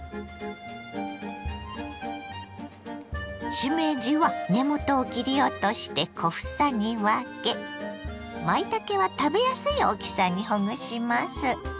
しめじは根元を切り落として小房に分けまいたけは食べやすい大きさにほぐします。